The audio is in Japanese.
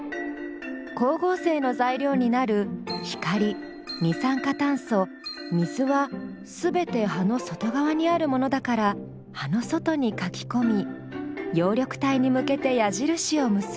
光合成の材料になる光二酸化炭素水は全て葉の外側にあるものだから葉の外に書きこみ葉緑体に向けて矢印を結ぶ。